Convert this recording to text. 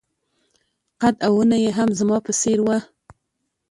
قد او ونه يې هم زما په څېر وه.